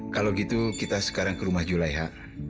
kalau gitu kita sekarang ke rumah julaiha